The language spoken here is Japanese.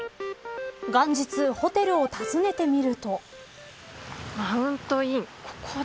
元日、ホテルを訪ねてみると。